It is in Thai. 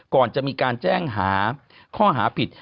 ก่อนจะมีการแจ้งหาข้อหาผิด